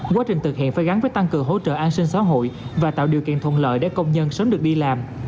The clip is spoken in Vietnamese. quá trình thực hiện phải gắn với tăng cường hỗ trợ an sinh xã hội và tạo điều kiện thuận lợi để công nhân sớm được đi làm